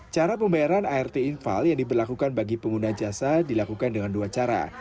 cara pembayaran art infal yang diberlakukan bagi pengguna jasa dilakukan dengan dua cara